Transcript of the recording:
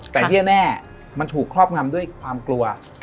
แต่ที่แน่มันถูกครอบงำด้วยความกลัว